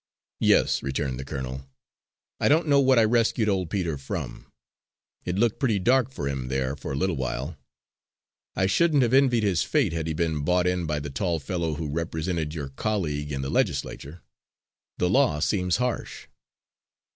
"Yes," returned the colonel, "I don't know what I rescued old Peter from. It looked pretty dark for him there for a little while. I shouldn't have envied his fate had he been bought in by the tall fellow who represented your colleague in the Legislature. The law seems harsh."